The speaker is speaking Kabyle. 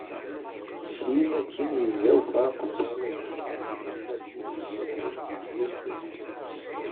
Syin akkin, yebda ufraq n warrazen ɣef yinelmaden i d-yufraren deg yal tasmilt.